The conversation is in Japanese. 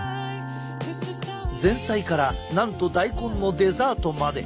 前菜からなんと大根のデザートまで！